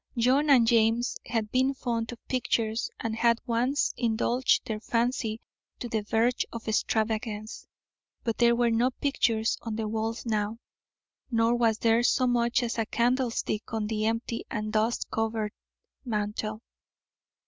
John and James had been fond of pictures and had once indulged their fancy to the verge of extravagance, but there were no pictures on the walls now, nor was there so much as a candlestick on the empty and dust covered mantel.